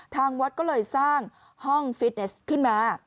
ทางวัดก็เลยสร้างห้องฟิตเนสขึ้นมา